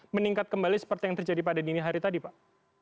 meningkat kembali seperti yang terjadi pada dini hari tadi pak